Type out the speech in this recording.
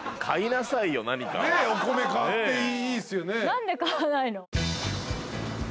何で買わないの？